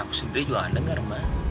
aku sendiri juga tidak mendengar ma